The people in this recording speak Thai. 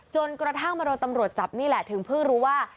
จนกระทั่งมาโดนตำรวจจับนี่แหละถึงเพิ่งรู้ว่า